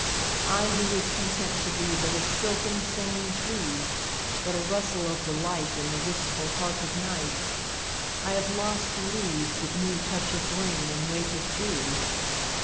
I who was content to beBut a silken singing tree, But a rustle of delightIn the wistful heart of night,I have lost the leaves that knewTouch of rain and weight of dew.